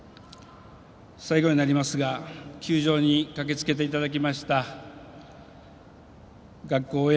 最後になりますが球場に駆けつけていただきました学校